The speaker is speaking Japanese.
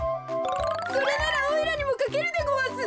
それならおいらにもかけるでごわす。